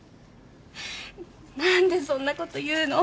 何でそんなこと言うの？